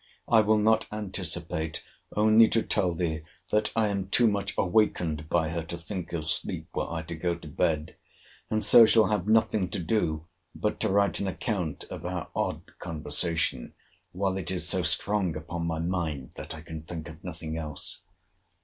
I will not anticipate—only to tell thee, that I am too much awakened by her to think of sleep, were I to go to bed; and so shall have nothing to do but to write an account of our odd conversation, while it is so strong upon my mind that I can think of nothing else.